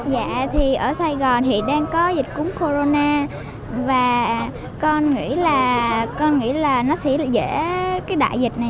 dạ thì ở sài gòn thì đang có dịch cúng corona và con nghĩ là con nghĩ là nó sẽ được giảm cái đại dịch này